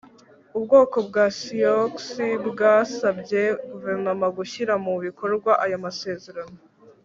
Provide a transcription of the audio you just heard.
ubwoko bwa sioux bwasabye guverinoma gushyira mu bikorwa ayo masezerano